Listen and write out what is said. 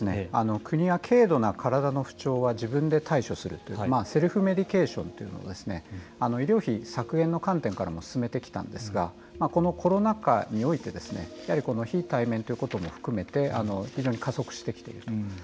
国は軽度な体の不調は自分で対処するというセルフメディケーションというのを医療費削減の観点からも進めてきたんですがこのコロナ禍においてやはり非対面ということも含めて非常に加速してきていると。